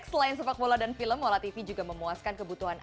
selain sepak bola dan film molatv juga memuaskan kebutuhan